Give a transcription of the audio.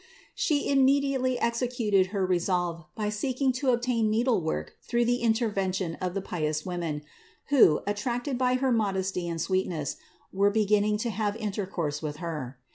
She immediately executed her resolve by seeking to obtain needlework through the intervention of the pious women, who, attracted by her modesty and sweetness, were be 37 562 CITY OF GOD ginning to have intercourse with Her.